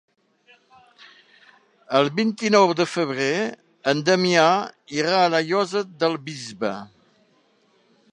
El vint-i-nou de febrer en Damià irà a la Llosa del Bisbe.